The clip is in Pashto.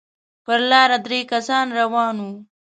پر لاره درې کسه روان وو.